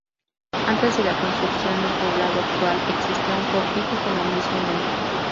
Antes de la construcción del poblado actual existía un cortijo con el mismo nombre.